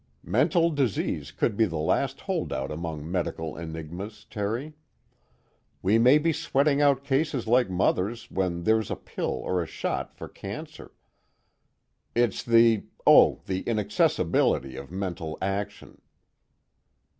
Mental disease could be the last holdout among medical enigmas, Terry. We may be sweating out cases like Mother's when there's a pill or a shot for cancer. It's the oh, the inaccessibility of mental action."